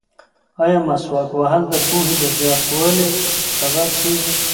ایا مسواک وهل د پوهې د زیاتوالي سبب کیږي؟